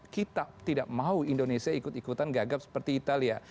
kita tidak mau indonesia ikut ikutan gagap seperti italia